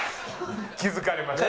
気づかれました。